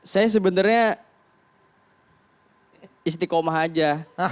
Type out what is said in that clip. saya sebenarnya istiqomah aja